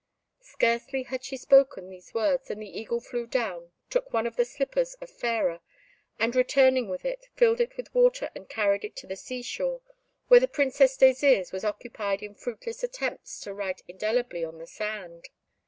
Scarcely had she spoken these words than the Eagle flew down, took one of the slippers of Fairer, and returning with it, filled it with water, and carried it to the sea shore, where the Princess Désirs was occupied in fruitless attempts to write indelibly on the sand.